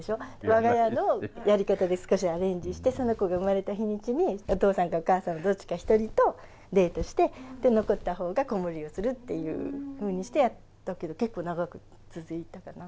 わが家のやり方で少しアレンジして、その子が生まれた日にちに、お父さんかお母さんのどっちか１人とデートして、残ったほうが子守をするっていうふうにしてやったけど、結構長く続いたかな。